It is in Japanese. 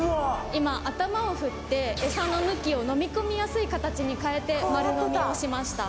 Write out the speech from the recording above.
今頭を振ってエサの向きを飲み込みやすい形に変えて丸のみをしました